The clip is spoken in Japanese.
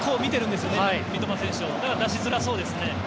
だから出しづらそうですね。